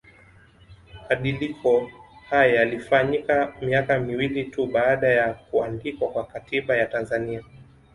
Madiliko haya yalifanyika miaka miwili tu baada ya kuandikwa kwa Katiba ya Tanzania